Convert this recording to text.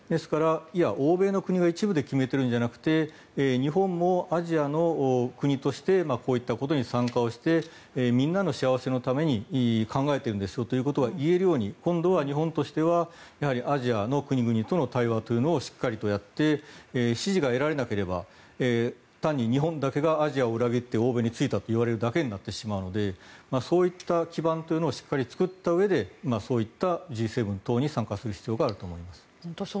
欧米の国が一部で決めているのではなくて日本もアジアの国でこういったことに参加をしてみんなの幸せのために考えているんですよということを言えるように、今度は日本としてアジアの国々との対話をしっかりとやって支持が得られなければ単に日本だけがアジアを裏切って欧米についたといわれるのでそういった基盤というのをしっかり作ったうえでそういったＧ７等に参加する必要があると思います。